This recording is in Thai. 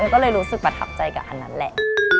ก็เลยรู้สึกประทับใจกับอันนั้นแหละ